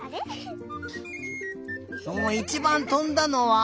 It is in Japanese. おおいちばんとんだのは？